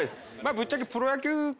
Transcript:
ぶっちゃけ。